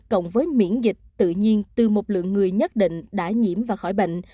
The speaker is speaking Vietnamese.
cộng với miễn dịch tự nhiên từ một lượng người nhất định đã nhiễm và khỏi bệnh